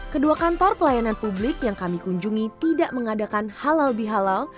kedua kantor pelayanan publik yang kami kunjungi tidak mengadakan halal bihalal